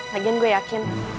lagian gue yakin